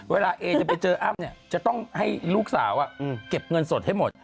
เวลาเอจะไปเจออ้ำเนี่ยจะต้องให้ลูกสาวเก็บเงินสดให้หมด